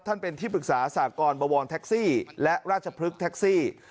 เป็นที่ปรึกษาสากรบวรแท็กซี่และราชพฤกษ์แท็กซี่